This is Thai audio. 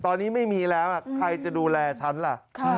ตอนนี้ไม่มีแล้วใครจะดูแลฉันล่ะ